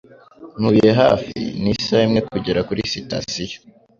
Ntuye hafi ni isaha imwe kugera kuri sitasiyo.